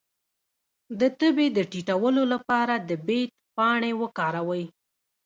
د تبې د ټیټولو لپاره د بید پاڼې وکاروئ